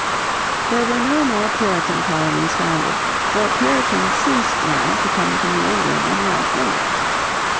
There were no more Puritan colonies founded, for Puritans ceased now to come to New England in large numbers.